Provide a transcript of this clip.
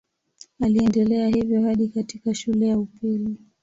Aliendelea hivyo hadi katika shule ya upili.